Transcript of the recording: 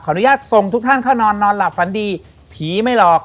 อนุญาตส่งทุกท่านเข้านอนนอนหลับฝันดีผีไม่หลอก